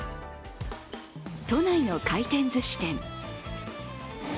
都内の回転ずし店。